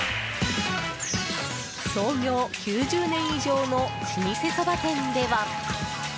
創業９０年以上の老舗そば店では。